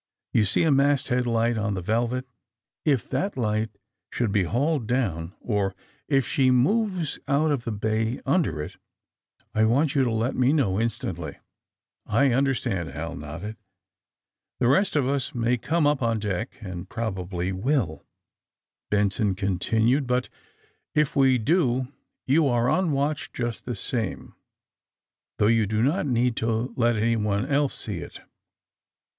You see the masthead light on the * Velvet'? If that light should be hauled down, or if she moves out of the bay under it I want you to let me know instantly." *^I understand," Hal nodded. ^'The rest of us may come up on deck, and probably will," Benson continued. '^But if we do you are on watch just the same, though you do not need to let anyone else see it."